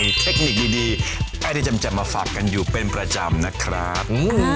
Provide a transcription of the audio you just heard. มีเทคนิคดีอะไรที่จำมาฝากกันอยู่เป็นประจำนะครับ